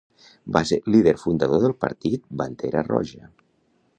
Va ser líder fundador del partit Bandera Roja.